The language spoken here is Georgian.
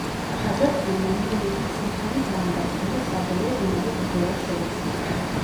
აზად ხანმა მუჰამედ ჰასან ხანი დაამარცხა და საბოლოოდ, იმავე ბრძოლას შეეწირა.